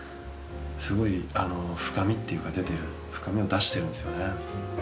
すごい深みというか深みを出してるんですよね。